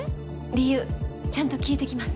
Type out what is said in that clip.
理由ちゃんと聞いてきます。